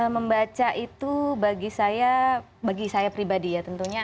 membaca itu bagi saya pribadi ya tentunya